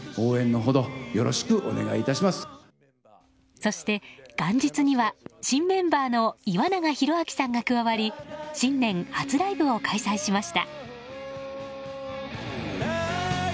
そして、元日には新メンバーの岩永洋昭さんが加わり新年初ライブを開催しました。